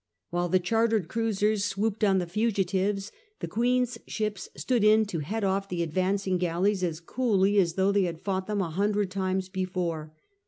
While the chartered cruisers swooped on the fugitives, the Queen's ships stood in to head off the advancing galleys as coolly as though they had fought them a hundred times before.